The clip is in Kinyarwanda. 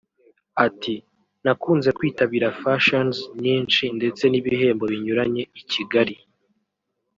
Ati “ Nakunze kwitabira fashions nyinshi ndetse n’ibihembo binyuranye i Kigali